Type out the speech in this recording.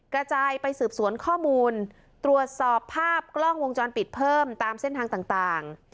กระจายไปสืบสวนข้อมูลตรวจสอบภาพกล้องวงจรปิดเพิ่มตามเส้นทางต่าง